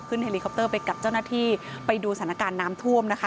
เฮลิคอปเตอร์ไปกับเจ้าหน้าที่ไปดูสถานการณ์น้ำท่วมนะคะ